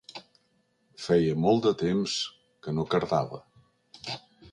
Feia molt de temps que no cardava.